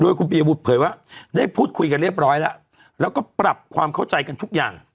คุณปียบุตรเผยว่าได้พูดคุยกันเรียบร้อยแล้วแล้วก็ปรับความเข้าใจกันทุกอย่าง